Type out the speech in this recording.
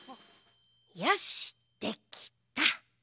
よしっできた！